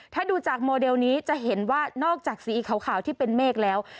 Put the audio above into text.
ถ้าดูจากโมเดลนี้จะเห็นว่านอกจากสีขาวที่เป็นเมฆแล้ว